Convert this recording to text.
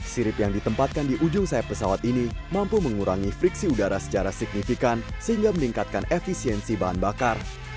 sirip yang ditempatkan di ujung sayap pesawat ini mampu mengurangi friksi udara secara signifikan sehingga meningkatkan efisiensi bahan bakar